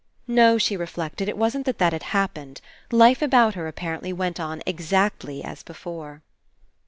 No, she reflected, it wasn't that that had happened. Life about her, apparently, went on exactly as before.